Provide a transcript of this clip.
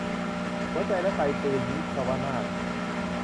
หัวใจและไกปืน - วิศวนาถ